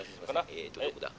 えっとどこだ？